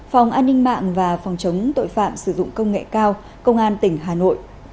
phòng an ninh mạng và phòng chống tội phạm sử dụng công nghệ cao công an tỉnh hà nội